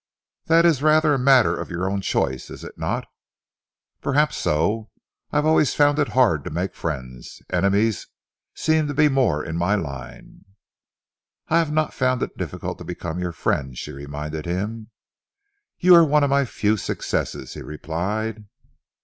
"That is rather a matter of your own choice, is it not?" "Perhaps so. I have always found it hard to make friends. Enemies seem to be more in my line." "I have not found it difficult to become your friend," she reminded him. "You are one of my few successes," he replied.